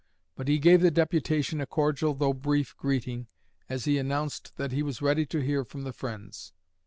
But he gave the deputation a cordial though brief greeting, as he announced that he was ready to hear from the Friends.